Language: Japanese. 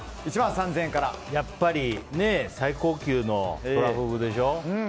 やっぱり最高級のトラフグでしょ。